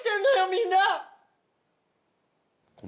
みんな。